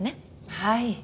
はい。